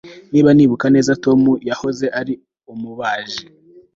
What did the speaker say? Niba nibuka neza Tom yahoze ari umubaji